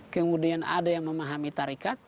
kemudian ada yang memahami tarikat